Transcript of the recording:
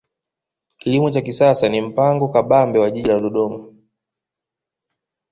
kilimo cha kisasa ni mpango kabambe wa jiji la dodoma